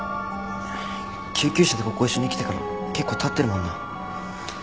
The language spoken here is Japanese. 救急車でここ一緒に来てから結構たってるもんな。